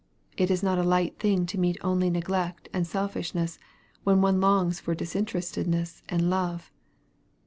It is not a light thing to meet only neglect and selfishness, when one longs for disinterestedness and love.